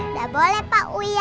udah boleh pak uya